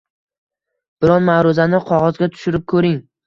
biron ma’ruzani qog‘ozga tushirib ko‘ring.